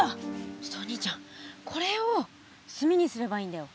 ちょっとお兄ちゃんこれを炭にすればいいんだよ。